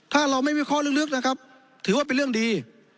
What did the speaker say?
ถ้าเราไม่มีข้อลึกลึกนะครับถือว่าเป็นเรื่องดี